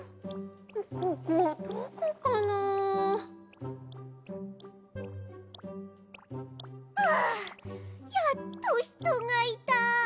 ここどこかな？はあやっとひとがいた。